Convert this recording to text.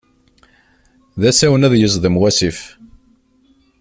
D asawen ad yeẓḍem wasif.